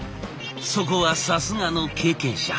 そこはさすがの経験者。